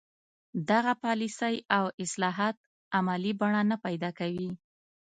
دغه پالیسۍ او اصلاحات عملي بڼه نه پیدا کوي.